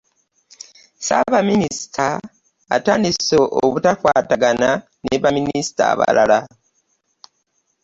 Ssaabaminisita atandise obutakwatagana ne baminisita abalala.